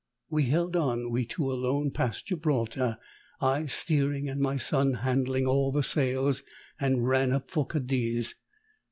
We held on, we two alone, past Gibraltar I steering and my son handling all the sails and ran up for Cadiz.